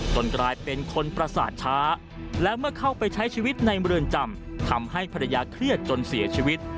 กลายเป็นคนประสาทช้าและเมื่อเข้าไปใช้ชีวิตในเมืองจำทำให้ภรรยาเครียดจนเสียชีวิต